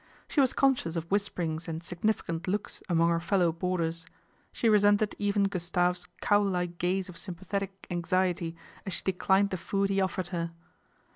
She was conscious of whisperings and significant looks among her fellow boarders. She resented even Gustave's cow like gaze of sym pathetic anxiety as she declined the food he offered her.